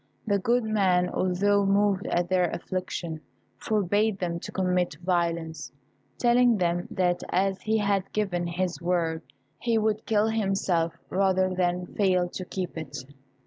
The good man, although moved at their affliction, forbad them to commit violence, telling them, that as he had given his word, he would kill himself rather than fail to keep it.